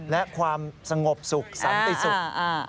และความสงบสุขสันติสุข